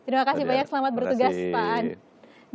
terima kasih banyak selamat bertugas pak